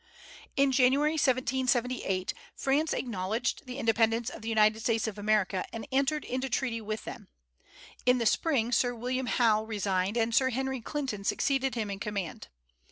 In January, 1778, France acknowledged the independence of the United States of America and entered into treaty with them. In the spring Sir William Howe resigned, and Sir Henry Clinton succeeded him in command.